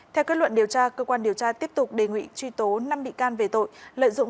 theo kết luận điều tra cơ quan điều tra tiếp tục đề nghị truy tố năm bị can về tội lợi dụng